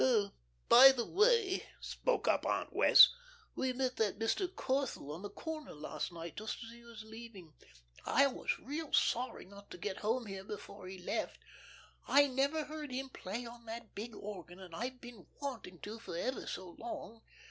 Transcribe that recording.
"Oh, by the way," spoke up Aunt Wess', "we met that Mr. Corthell on the corner last night, just as he was leaving. I was real sorry not to get home here before he left. I've never heard him play on that big organ, and I've been wanting to for ever so long.